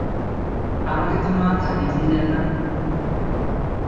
আমাকে তো মা থাকিতে দিলেন না।